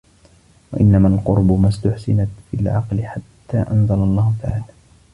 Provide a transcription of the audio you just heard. وَإِنَّمَا الْقُرَبُ مَا اُسْتُحْسِنَتْ فِي الْعَقْلِ حَتَّى أَنْزَلَ اللَّهُ تَعَالَى